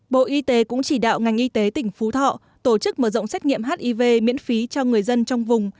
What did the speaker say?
bộ y tế cũng chỉ đạo ngành y tế tỉnh phú thọ tổ chức mở rộng xét nghiệm hiv miễn phí cho người dân trong vùng